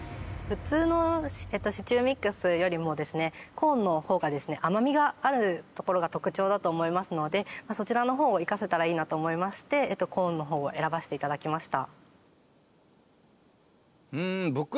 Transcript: コーンの方がですね甘みがあるところが特徴だと思いますのでそちらの方を生かせたらいいなと思いましてコーンの方を選ばせて頂きました。